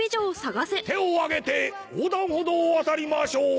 「手を上げて横断歩道を渡りましょう」。